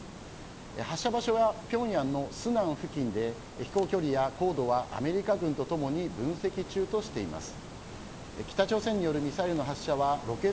発射場所はピョンヤンのスナン付近で飛行距離や高度はアメリカ軍とともに分析中としています。